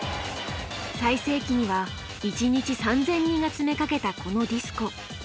最盛期には一日３，０００人が詰めかけたこのディスコ。